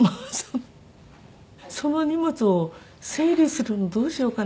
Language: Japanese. その荷物を整理するのどうしようかなって。